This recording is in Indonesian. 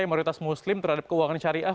yang merupakan muslim terhadap keuangan syariah